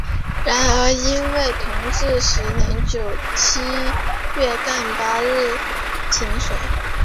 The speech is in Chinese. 然而因为同治十年七月廿八日请水。